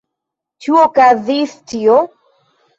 Ĉu okazis tio?